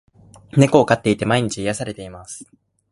猫を飼っていて、毎日癒されています。